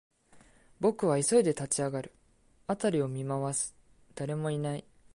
僕は急いで立ち上がる、辺りを見回す、誰もいない